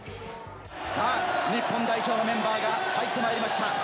日本代表のメンバーが入ってまいりました。